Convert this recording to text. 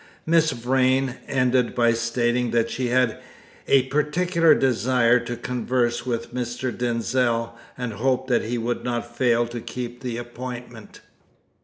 Miss Vrain ended by stating that she had a particular desire to converse with Mr. Denzil, and hoped that he would not fail to keep the appointment.